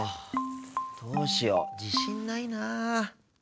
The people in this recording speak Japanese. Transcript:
どうしよう自信ないな。